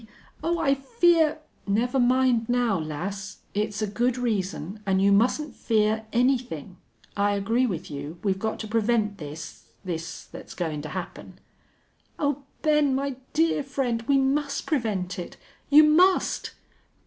Oh, I fear " "Never mind now, lass. It's a good reason. An' you mustn't fear anythin'. I agree with you we've got to prevent this this that's goin' to happen." "Oh, Ben, my dear friend, we must prevent it you _must!